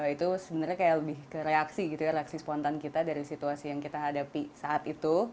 itu sebenarnya kayak lebih ke reaksi gitu ya reaksi spontan kita dari situasi yang kita hadapi saat itu